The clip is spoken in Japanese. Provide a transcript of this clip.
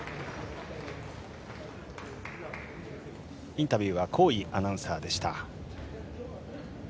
インタビューは厚井アナウンサーでした。